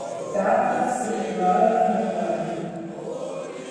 Cartes que igualen no guanyen.